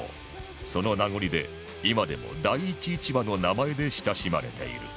その名残で今でも大一市場の名前で親しまれている